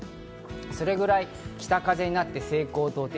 それぐらい北風になって西高東低。